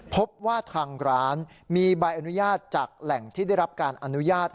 พบว่าทางร้านมีใบอนุญาตจากแหล่งที่ได้รับการอนุญาต